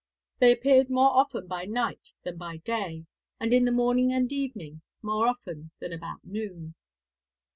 They appeared more often by night than by day, and in the morning and evening more often than about noon.